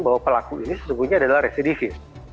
bahwa pelaku ini sesungguhnya adalah residivis